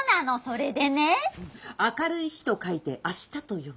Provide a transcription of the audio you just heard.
「明るい日と書いて明日と読む」。